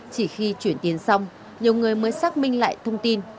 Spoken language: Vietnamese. chỉ khi chuyển tiền xong nhiều người mới xác minh lại thông tin